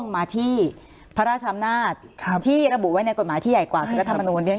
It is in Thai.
มาที่พระราชนาธิ์ที่ระบุไว้ในกฎหมายที่ใหญ่กว่าคือรัฐมนตร์เนี่ย